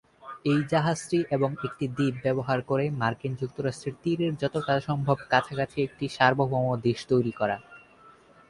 এই জাহাজটি এবং একটি দ্বীপ ব্যবহার করে, মার্কিন যুক্তরাষ্ট্রের তীরের যতটা সম্ভব কাছাকাছি একটি সার্বভৌম দেশ তৈরি করা।